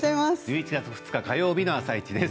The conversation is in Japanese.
１１月２日火曜日の「あさイチ」です。